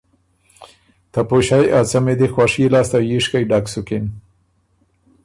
ته پُݭئ ا څمی دی خوشي لاسته ییشکئ ډک سُکِن